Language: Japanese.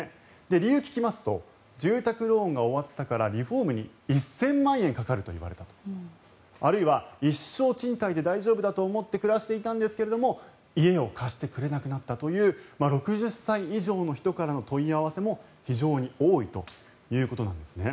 理由を聞きますと住宅ローンが終わったからリフォームに１０００万円かかると言われたあるいは一生賃貸で大丈夫だと思って暮らしていたんですけども家を貸してくれなくなったという６０歳以上の人からの問い合わせも非常に多いということなんですね。